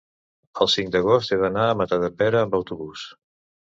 el cinc d'agost he d'anar a Matadepera amb autobús.